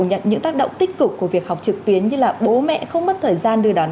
nhận những tác động tích cực của việc học trực tuyến như là bố mẹ không mất thời gian đưa đón